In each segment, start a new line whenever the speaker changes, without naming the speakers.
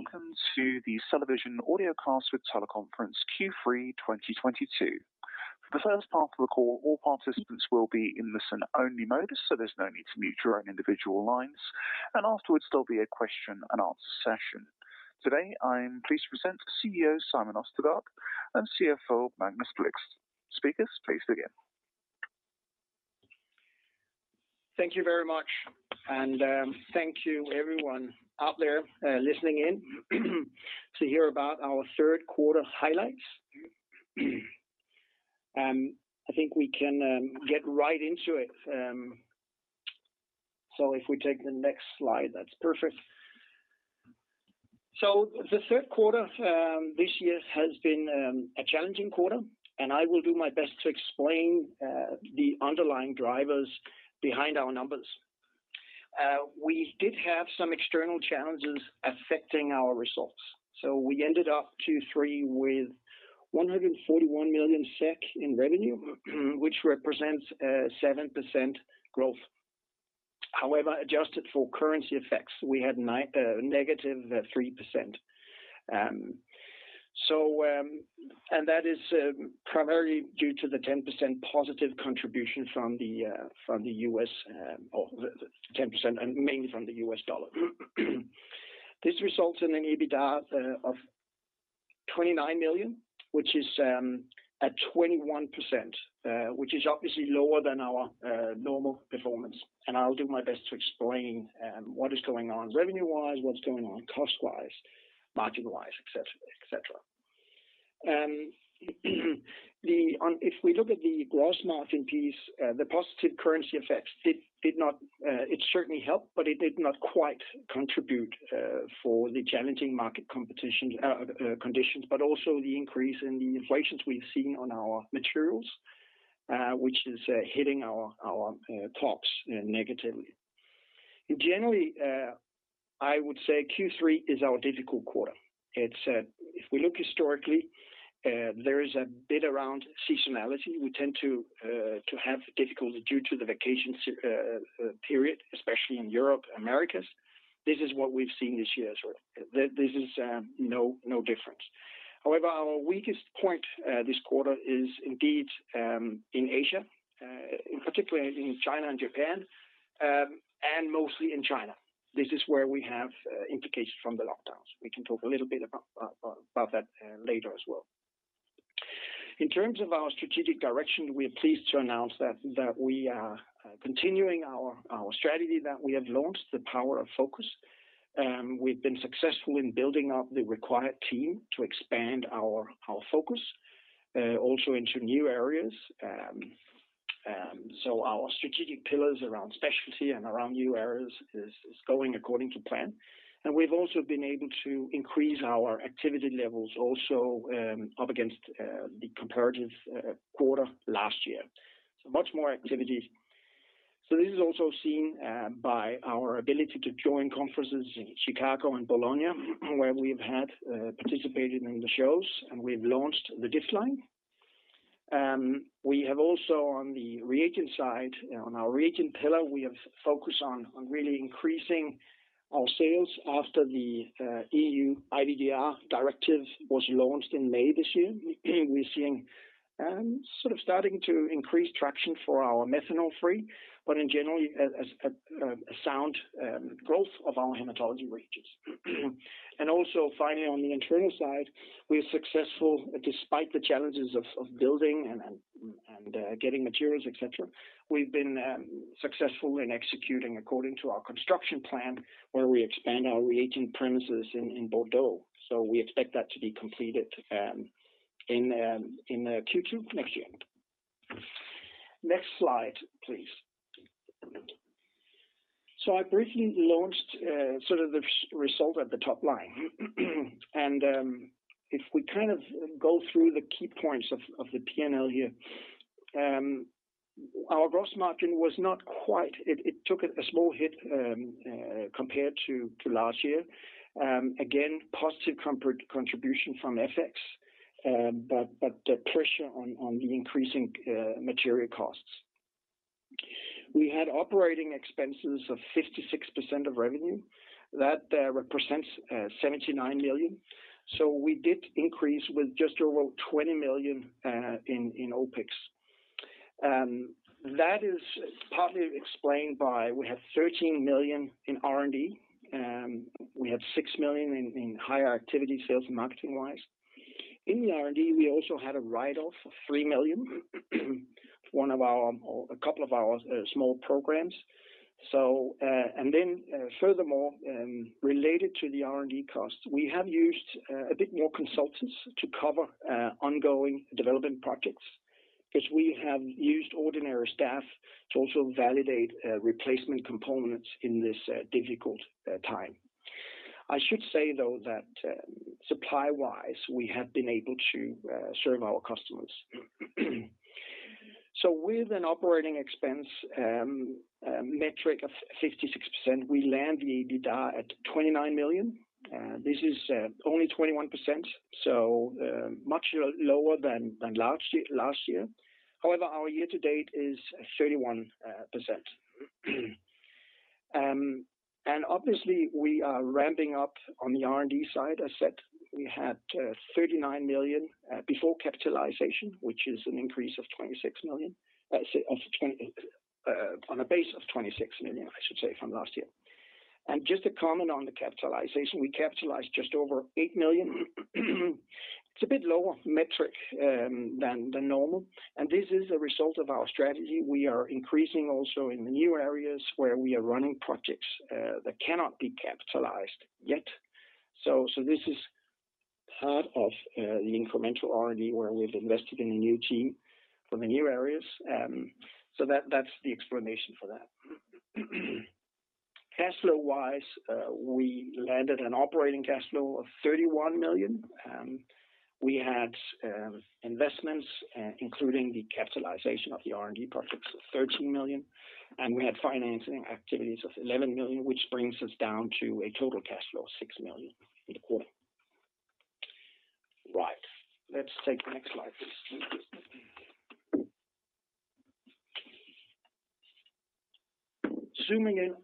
Welcome to the CellaVision Audiocast with Teleconference Q3 2022. For the first part of the call, all participants will be in listen-only mode, so there's no need to mute your own individual lines. Afterwards, there'll be a question and answer session. Today, I'm pleased to present CEO Simon Østergaard and CFO Magnus Blixt. Speakers, please begin.
Thank you very much. Thank you everyone out there listening in to hear about our Q3 highlights. I think we can get right into it. If we take the next slide, that's perfect. The Q3 this year has been a challenging quarter, and I will do my best to explain the underlying drivers behind our numbers. We did have some external challenges affecting our results. We ended up Q3 with 141 million SEK in revenue, which represents 7% growth. However, adjusted for currency effects, we had -3%. That is primarily due to the 10% positive contribution from the US or the 10% and mainly from the US dollar. This results in an EBITDA of 29 million, which is at 21%, which is obviously lower than our normal performance. I'll do my best to explain what is going on revenue-wise, what's going on cost-wise, margin-wise, et cetera, et cetera. If we look at the gross margin piece, the positive currency effects did not. It certainly helped, but it did not quite contribute for the challenging market conditions, but also the increase in the inflation we've seen on our materials, which is hitting our costs negatively. Generally, I would say Q3 is our difficult quarter. It's if we look historically, there is a bit of seasonality. We tend to have difficulty due to the vacation period, especially in Europe, Americas. This is what we've seen this year as well. This is no different. However, our weakest point this quarter is indeed in Asia, in particular in China and Japan, and mostly in China. This is where we have implications from the lockdowns. We can talk a little bit about that later as well. In terms of our strategic direction, we are pleased to announce that we are continuing our strategy that we have launched the Power of Focus. We've been successful in building up the required team to expand our focus also into new areas. So our strategic pillars around specialty and around new areas is going according to plan. We've also been able to increase our activity levels also up against the comparative quarter last year. Much more activity. This is also seen by our ability to join conferences in Chicago and Bologna, where we've participated in the shows, and we've launched the DIFF-Line. We have also on the reagent side, on our reagent pillar, we have focused on really increasing our sales after the EU IVDR directive was launched in May this year. We're seeing sort of starting to increase traction for our methanol-free, but in general as a sound growth of our hematology ranges. Also finally, on the internal side, we are successful despite the challenges of building and getting materials, et cetera. We've been successful in executing according to our construction plan where we expand our reagent premises in Bordeaux. We expect that to be completed in Q2 next year. Next slide, please. I briefly launched sort of the result at the top line. If we kind of go through the key points of the P&L here, our gross margin was not quite. It took a small hit compared to last year. Again, positive contribution from FX, but the pressure on the increasing material costs. We had operating expenses of 56% of revenue. That represents 79 million. We did increase with just over 20 million in OPEX. That is partly explained by we have 13 million in R&D. We have 6 million in higher activity sales and marketing-wise. In the R&D, we also had a write-off of 3 million for one of our, or a couple of our, small programs. Furthermore, related to the R&D costs, we have used a bit more consultants to cover ongoing development projects 'cause we have used ordinary staff to also validate replacement components in this difficult time. I should say, though, that supply-wise, we have been able to serve our customers. With an operating expense metric of 56%, we land the EBITDA at 29 million. This is only 21%, so much lower than last year. However, our year-to-date is 31%. Obviously we are ramping up on the R&D side. I said we had 39 million before capitalization, which is an increase of 26 million. Let's say on a base of 26 million, I should say, from last year. Just to comment on the capitalization, we capitalized just over 8 million. It's a bit lower metric than normal, and this is a result of our strategy. We are increasing also in the new areas where we are running projects that cannot be capitalized yet. This is part of the incremental R&D where we've invested in a new team for the new areas. That's the explanation for that. Cash flow wise, we landed an operating cash flow of 31 million. We had investments including the capitalization of the R&D projects of 13 million, and we had financing activities of 11 million, which brings us down to a total cash flow of 6 million in the quarter. Right. Let's take the next slide, please. Zooming in.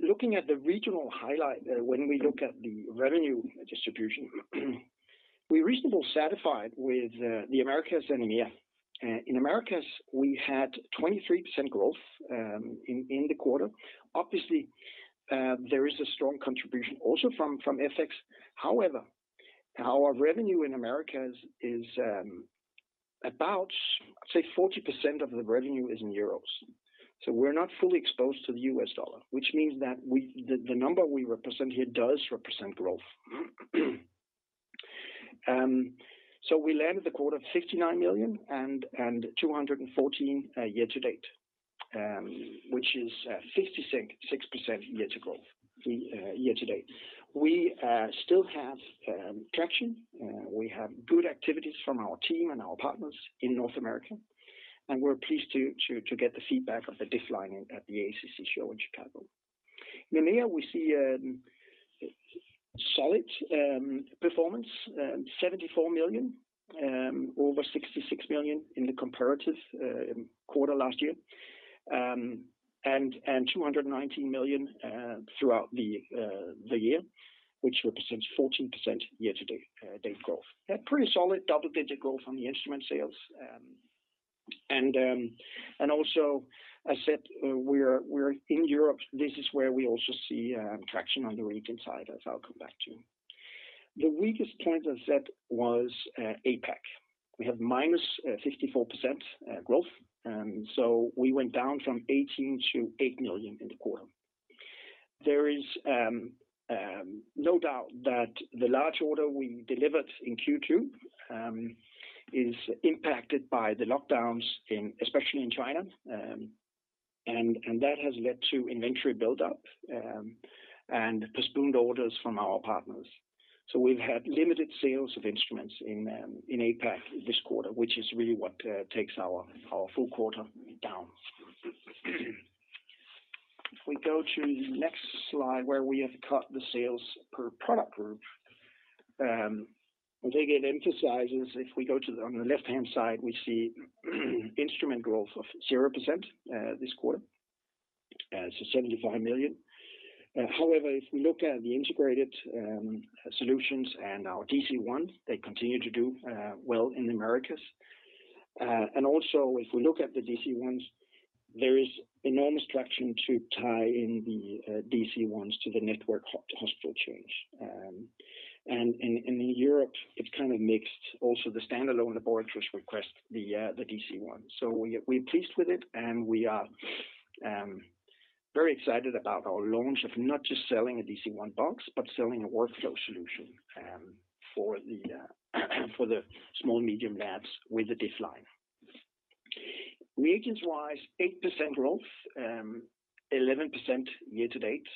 Looking at the regional highlight, when we look at the revenue distribution, we're reasonably satisfied with the Americas and EMEA. In Americas, we had 23% growth in the quarter. Obviously, there is a strong contribution also from FX. However, our revenue in Americas is about, say 40% of the revenue is in euros. We're not fully exposed to the US dollar, which means that the number we represent here does represent growth. We ended the quarter of 59 million and 214 million year-to-date, which is 56.6% year-to-date growth. We still have traction. We have good activities from our team and our partners in North America, and we're pleased to get the feedback of the DIFF-Line at the AACC show in Chicago. In EMEA, we see solid performance, 74 million over 66 million in the comparative quarter last year. 219 million throughout the year, which represents 14% year-to-date growth. Had pretty solid double-digit growth on the instrument sales. Also, I said, we're in Europe, this is where we also see traction on the reagent side, as I'll come back to. The weakest point I said was APAC. We have -54% growth, so we went down from 18 million to 8 million in the quarter. There is no doubt that the large order we delivered in Q2 is impacted by the lockdowns in, especially in China. That has led to inventory buildup and postponed orders from our partners. We've had limited sales of instruments in APAC this quarter, which is really what takes our full quarter down. If we go to the next slide where we have got the sales per product group, and again emphasizes on the left-hand side, we see instrument growth of 0% this quarter, so 75 million. However, if we look at the integrated solutions and our DC-1, they continue to do well in Americas. Also if we look at the DC-1s, there is enormous traction to tie in the DC-1s to the network hospital chain. In Europe, it's kind of mixed. Also, the standalone laboratories request the DC-1. We're pleased with it, and we are very excited about our launch of not just selling a DC-1 box, but selling a workflow solution for the small/medium labs with the DIFF-Line. Reagents-wise, 8% growth, 11% year-to-date.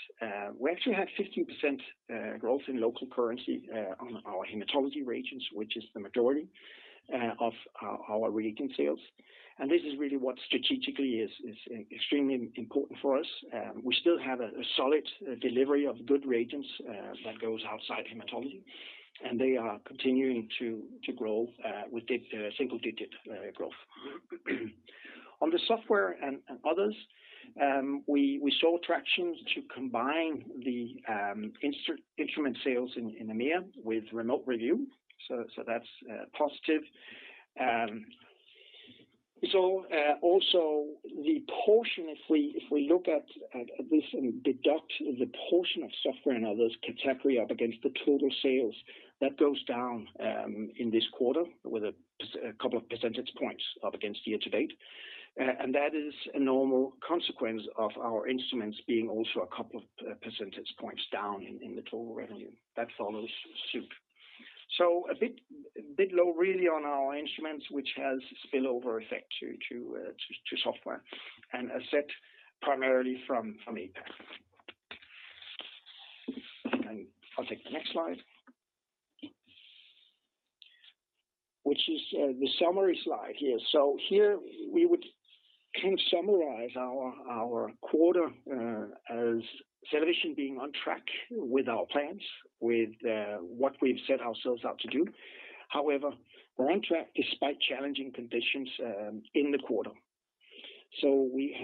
We actually had 15% growth in local currency on our hematology reagents, which is the majority of our reagent sales. This is really what strategically is extremely important for us. We still have a solid delivery of good reagents that goes outside hematology, and they are continuing to grow with single digit growth. On the software and others, we saw traction to combine the instrument sales in EMEA with remote review. That's positive. Also the portion if we look at this and deduct the portion of software and others category up against the total sales, that goes down in this quarter with a couple of percentage points up against year-to-date. That is a normal consequence of our instruments being also a couple of percentage points down in the total revenue. That follows suit. A bit low really on our instruments, which has spillover effect to software, and as said, primarily from APAC. I'll take the next slide. Which is the summary slide here. Here we can summarize our quarter as CellaVision being on track with our plans, with what we've set ourselves out to do. However, we're on track despite challenging conditions in the quarter. We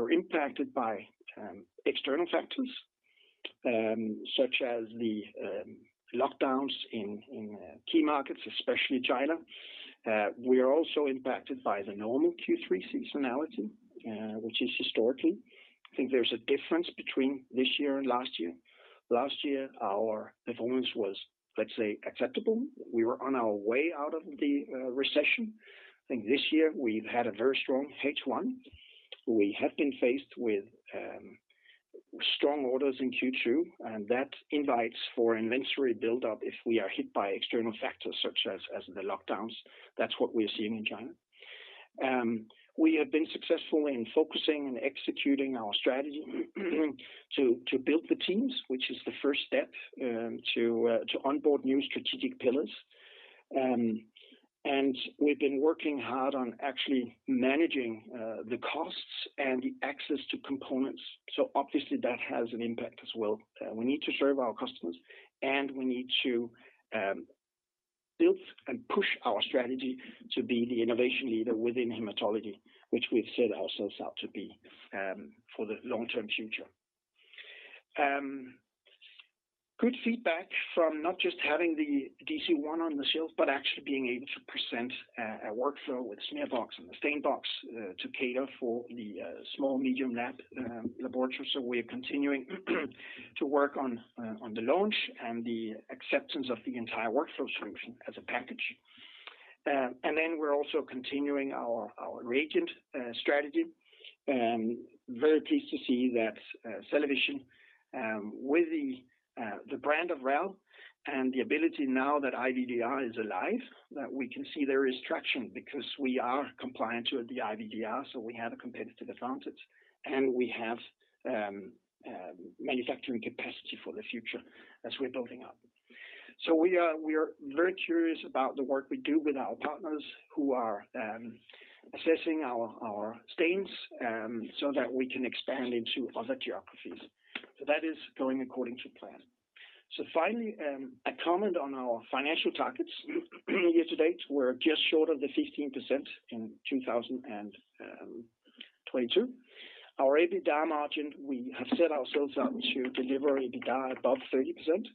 were impacted by external factors such as the lockdowns in key markets, especially China. We are also impacted by the normal Q3 seasonality, which is historically. I think there's a difference between this year and last year. Last year, our performance was, let's say, acceptable. We were on our way out of the recession. I think this year we've had a very strong H1. We have been faced with strong orders in Q2, and that invites for inventory build-up if we are hit by external factors such as the lockdowns. That's what we're seeing in China. We have been successful in focusing and executing our strategy to build the teams, which is the first step to onboard new strategic pillars. We've been working hard on actually managing the costs and the access to components. Obviously that has an impact as well. We need to serve our customers, and we need to build and push our strategy to be the innovation leader within hematology, which we've set ourselves out to be for the long-term future. Good feedback from not just having the DC-1 on the shelf, but actually being able to present a workflow with SmearBox and the StainBox to cater for the small medium lab laboratory. We're continuing to work on the launch and the acceptance of the entire workflow solution as a package. We're also continuing our reagent strategy. Very pleased to see that CellaVision, with the brand of RAL and the ability now that IVDR is alive, that we can see there is traction because we are compliant with the IVDR, so we have a competitive advantage, and we have manufacturing capacity for the future as we're building up. We are very curious about the work we do with our partners who are assessing our stains, so that we can expand into other geographies. That is going according to plan. Finally, a comment on our financial targets. year-to-date, we're just short of the 15% in 2022. Our EBITDA margin, we have set ourselves up to deliver EBITDA above 30%.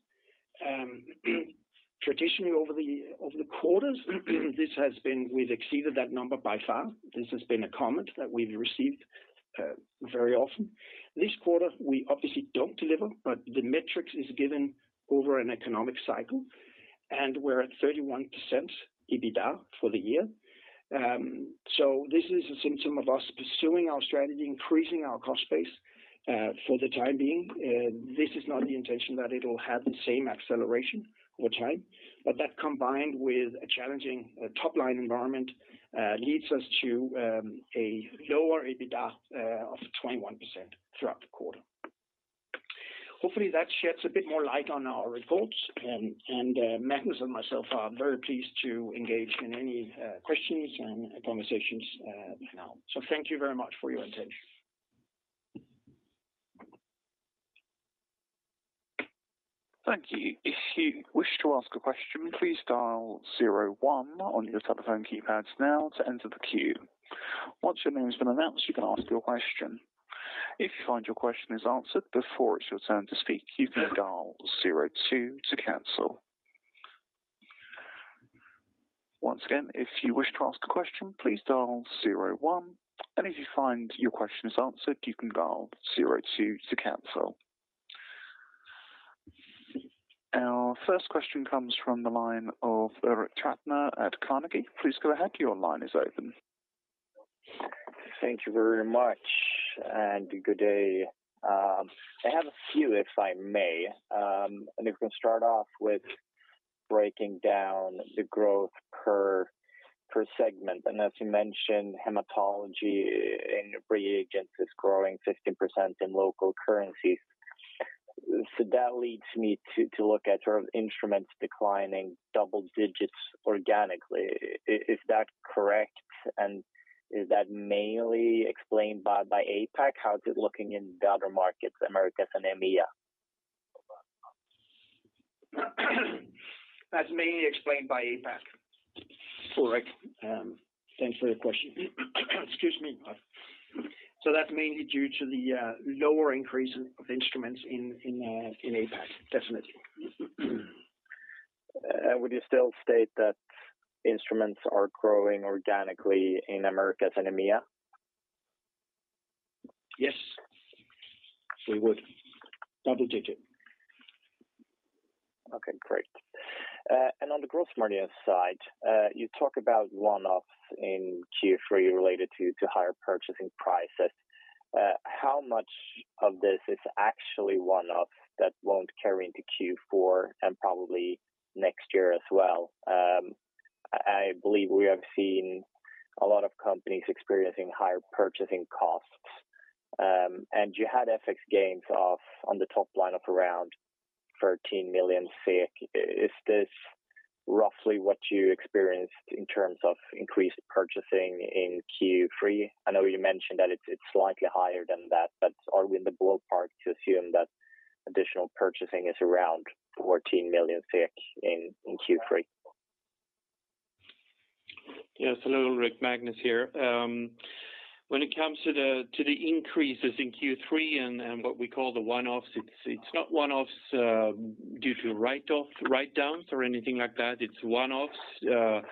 Traditionally, over the quarters, we've exceeded that number by far. This has been a comment that we've received very often. This quarter, we obviously don't deliver, but the metrics is given over an economic cycle, and we're at 31% EBITDA for the year. This is a symptom of us pursuing our strategy, increasing our cost base for the time being. This is not the intention that it'll have the same acceleration over time. That combined with a challenging top-line environment leads us to a lower EBITDA of 21% throughout the quarter. Hopefully, that sheds a bit more light on our reports. Magnus and myself are very pleased to engage in any questions and conversations now. Thank you very much for your attention.
Thank you. If you wish to ask a question, please dial zero one on your telephone keypads now to enter the queue. Once your name has been announced, you can ask your question. If you find your question is answered before it's your turn to speak, you can dial zero two to cancel. Once again, if you wish to ask a question, please dial zero one, and if you find your question is answered, you can dial zero two to cancel. Our first question comes from the line of Ulrik Trattner at Carnegie. Please go ahead. Your line is open.
Thank you very much, and good day. I have a few, if I may. If we can start off with breaking down the growth per segment. As you mentioned, hematology and reagents is growing 15% in local currencies. That leads me to look at our instruments declining double digits organically. Is that correct? Is that mainly explained by APAC? How is it looking in the other markets, Americas and EMEA?
That's mainly explained by APAC. Correct. Thanks for your question. Excuse me. That's mainly due to the lower increase of instruments in APAC. Definitely.
Would you still state that instruments are growing organically in Americas and EMEA?
Yes. We would. Double digit.
Okay, great. On the gross margin side, you talk about one-offs in Q3 related to higher purchasing prices. How much of this is actually one-off that won't carry into Q4 and probably next year as well? I believe we have seen a lot of companies experiencing higher purchasing costs. You had FX gains on the top line of around 13 million SEK. Is this roughly what you experienced in terms of increased purchasing in Q3? I know you mentioned that it's slightly higher than that, but are we in the ballpark to assume that additional purchasing is around 14 million SEK in Q3?
Yes. Hello, Ulrik. Magnus here. When it comes to the increases in Q3 and what we call the one-offs, it's not one-offs due to write-downs or anything like that. It's one-offs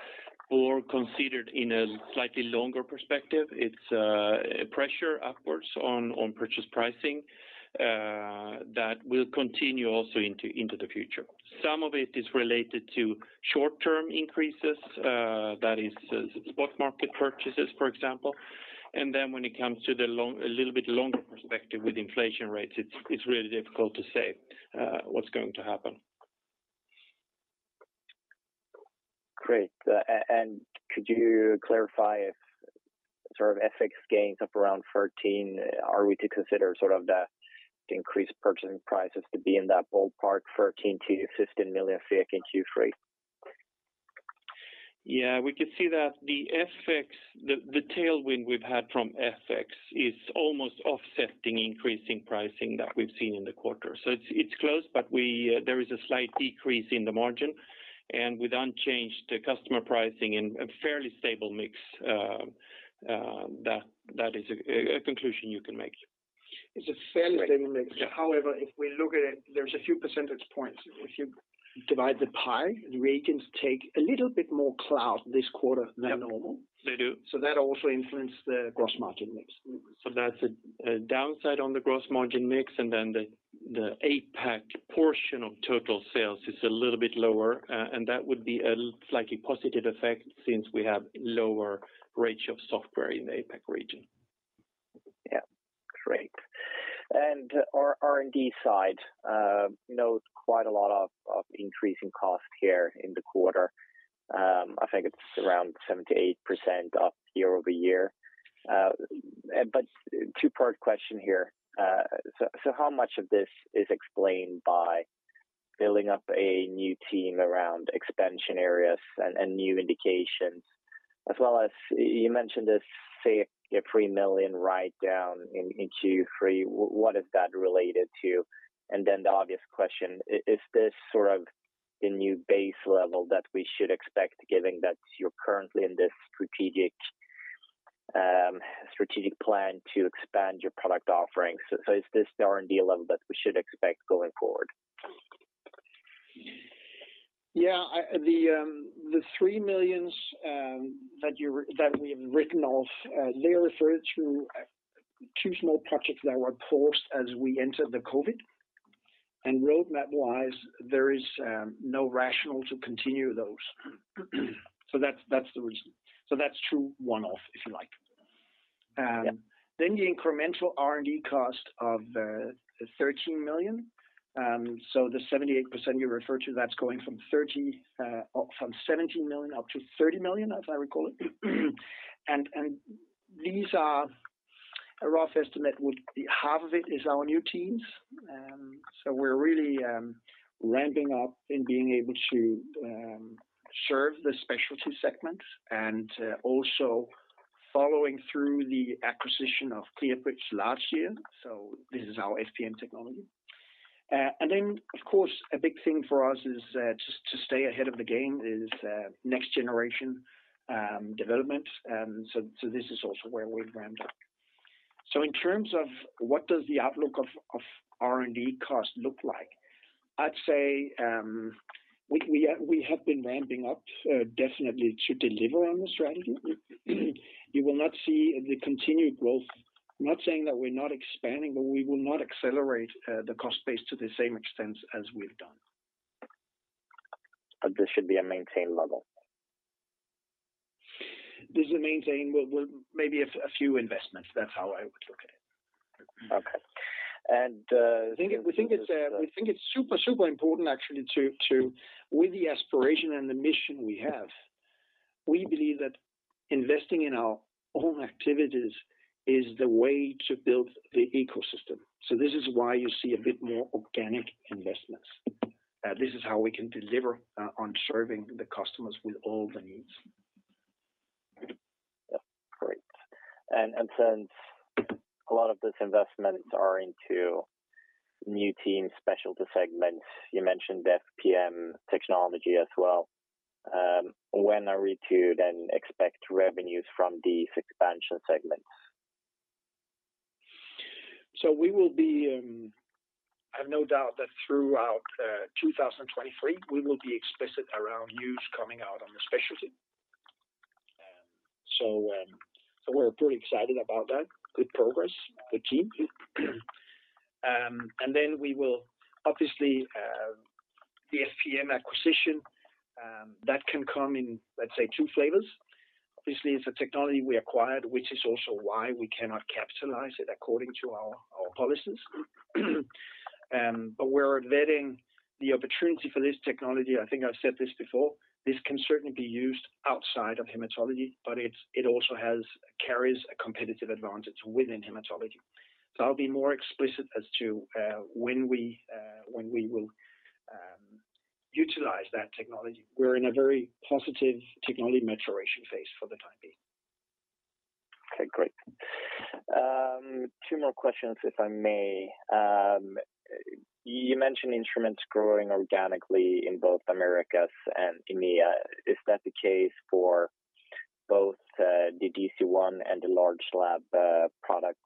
more considered in a slightly longer perspective. It's a pressure upwards on purchase pricing that will continue also into the future. Some of it is related to short-term increases, that is spot market purchases, for example. When it comes to a little bit longer perspective with inflation rates, it's really difficult to say what's going to happen.
Great. Could you clarify if sort of FX gains of around 13 million, are we to consider sort of the increased purchasing prices to be in that ballpark, 13 million-15 million in Q3?
Yeah. We could see that the FX tailwind we've had from FX is almost offsetting increasing pricing that we've seen in the quarter. It's close, but there is a slight decrease in the margin. With unchanged customer pricing and a fairly stable mix, that is a conclusion you can make.
It's a fairly stable mix.
Yeah.
However, if we look at it, there's a few percentage points. If you divide the pie, the agents take a little bit more cloud this quarter than normal.
Yeah. They do.
that also influenced the gross margin mix.
That's a downside on the gross margin mix, and then the APAC portion of total sales is a little bit lower. That would be a slightly positive effect since we have lower rates of software in the APAC region.
Yeah. Great. R&D side, you know, quite a lot of increase in cost here in the quarter. I think it's around 78% up year-over-year. Two-part question here. So how much of this is explained by building up a new team around expansion areas and new indications? As well as you mentioned this 3 million write-down in Q3, what is that related to? The obvious question, is this sort of the new base level that we should expect, given that you're currently in this strategic plan to expand your product offerings? Is this the R&D level that we should expect going forward?
Yeah. The 3 million that we have written off, they refer to two small projects that were paused as we entered the COVID. Roadmap-wise, there is no rationale to continue those. That's the reason. That's true one-off, if you like.
Yeah.
The incremental R&D cost of 13 million, so the 78% you refer to, that's going from 17 million up to 30 million, as I recall it. These are a rough estimate, would be half of it is our new teams. We're really ramping up in being able to serve the specialty segment and also following through the acquisition of Clearbridge last year. This is our FPM technology. Of course, a big thing for us is just to stay ahead of the game is next generation development. This is also where we've ramped up. In terms of what does the outlook of R&D costs look like, I'd say, we have been ramping up definitely to deliver on the strategy. You will not see the continued growth. I'm not saying that we're not expanding, but we will not accelerate the cost base to the same extent as we've done.
This should be a maintained level?
This will maintain with maybe a few investments. That's how I would look at it.
Okay.
We think it's super important actually. With the aspiration and the mission we have, we believe that investing in our own activities is the way to build the ecosystem. This is why you see a bit more organic investments. This is how we can deliver on serving the customers with all the needs.
Yeah. Great. Since a lot of these investments are into new TAM specialty segments, you mentioned the FPM technology as well, when are we to then expect revenues from these expansion segments?
I have no doubt that throughout 2023, we will be explicit around news coming out on the specialty. We're pretty excited about that. Good progress, good team. We will obviously the FPM acquisition that can come in, let's say, two flavors. Obviously, it's a technology we acquired, which is also why we cannot capitalize it according to our policies. We're vetting the opportunity for this technology. I think I've said this before. This can certainly be used outside of hematology, but it also carries a competitive advantage within hematology. I'll be more explicit as to when we will utilize that technology. We're in a very positive technology maturation phase for the time being.
Okay, great. Two more questions, if I may. You mentioned instruments growing organically in both Americas and EMEA. Is that the case for both, the DC one and the large lab products?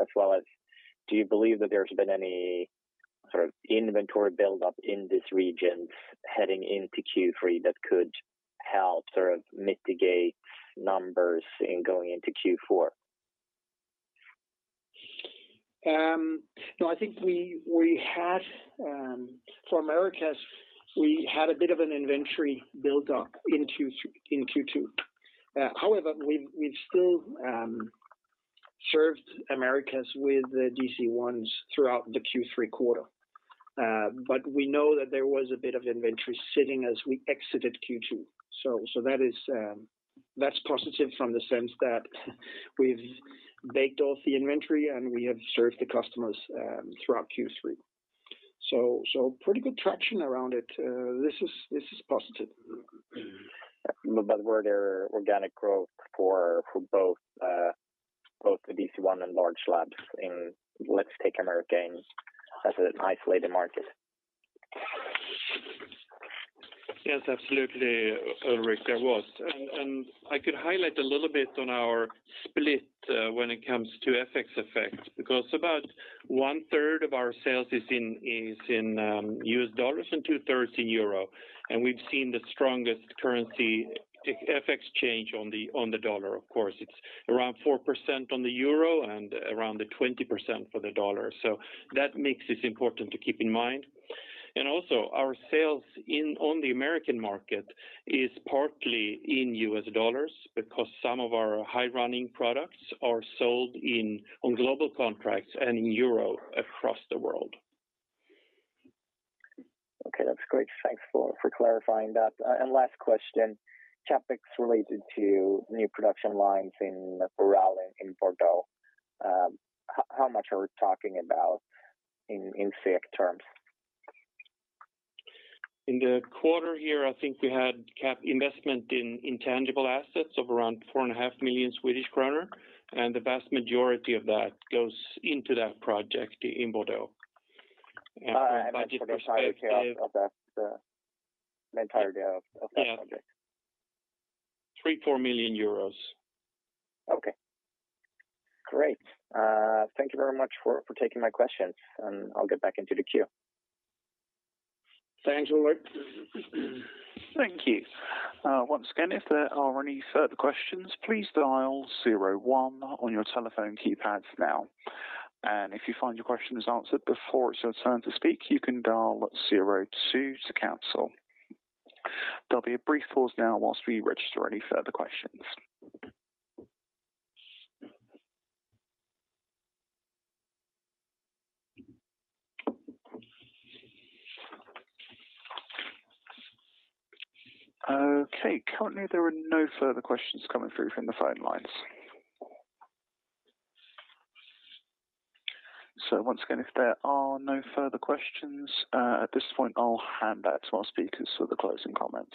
As well as do you believe that there's been any sort of inventory buildup in these regions heading into Q3 that could help sort of mitigate numbers in going into Q4?
No, I think we had for Americas a bit of an inventory buildup in Q2. However, we've still served Americas with the DC ones throughout the Q3 quarter. We know that there was a bit of inventory sitting as we exited Q2. That is positive from the sense that we've baked off the inventory, and we have served the customers throughout Q3. Pretty good traction around it. This is positive.
Were there organic growth for both the DC-1 and large labs in, let's take the Americas as an isolated market?
Yes, absolutely, Ulrik, there was. I could highlight a little bit on our split when it comes to FX effect, because about one-third of our sales is in US dollars and two-thirds in euro. We've seen the strongest currency FX change on the dollar, of course. It's around 4% on the euro and around 20% for the dollar. That mix is important to keep in mind. Our sales on the American market is partly in US dollars because some of our high running products are sold on global contracts and in euro across the world.
Okay, that's great. Thanks for clarifying that. Last question. CapEx related to new production lines in Bordeaux. How much are we talking about in fixed terms?
In the quarter here, I think we had CapEx investment in intangible assets of around 4.5 million Swedish kronor, and the vast majority of that goes into that project in Bordeaux.
The entirety of that project.
EUR 3.4 million.
Okay, great. Thank you very much for taking my questions, and I'll get back into the queue.
Thanks, Ulrik.
Thank you. Once again, if there are any further questions, please dial zero one on your telephone keypads now. If you find your question is answered before it's your turn to speak, you can dial zero two to cancel. There'll be a brief pause now while we register any further questions. Okay. Currently, there are no further questions coming through from the phone lines. Once again, if there are no further questions, at this point, I'll hand back to our speakers for the closing comments.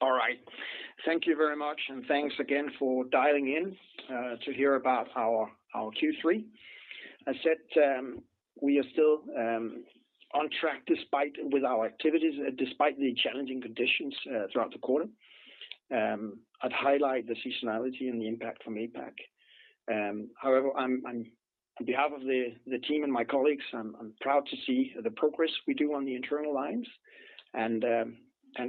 All right. Thank you very much, and thanks again for dialing in to hear about our Q3. I said, we are still on track despite with our activities, despite the challenging conditions throughout the quarter. I'd highlight the seasonality and the impact from APAC. However, I'm on behalf of the team and my colleagues, I'm proud to see the progress we do on the internal lines and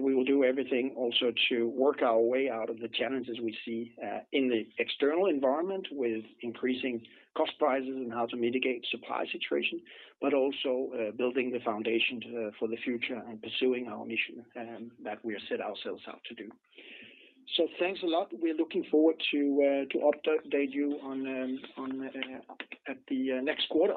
we will do everything also to work our way out of the challenges we see in the external environment with increasing cost prices and how to mitigate supply situation, but also building the foundation for the future and pursuing our mission that we have set ourselves out to do. Thanks a lot. We're looking forward to update you on at the next quarter.